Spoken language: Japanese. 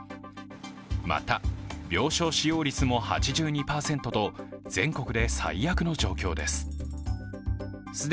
また病床使用率も８２％と全国で最悪の状況です。